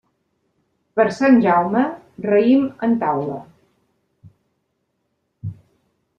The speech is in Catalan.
Per Sant Jaume, raïm en taula.